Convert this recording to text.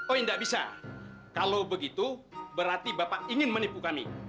oh tidak bisa kalau begitu berarti bapak ingin menipu kami